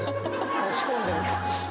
押し込んでる。